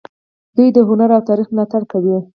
دوی د هنر او تاریخ ملاتړ کوي.